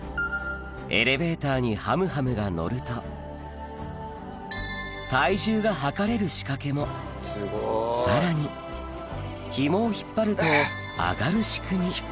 エレベーターにはむはむがのると体重が量れる仕掛けもさらにひもを引っ張ると上がる仕組み